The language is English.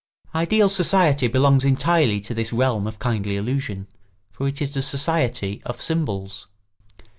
] Ideal society belongs entirely to this realm of kindly illusion, for it is the society of symbols.